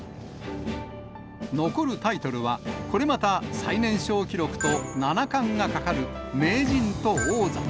残るタイトルは、これまた最年少記録と七冠がかかる名人と王座。